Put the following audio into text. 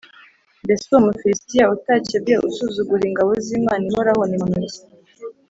Mbese uwo Mufilisitiya utakebwe usuzugura ingabo z’Imana ihoraho, ni muntu ki?”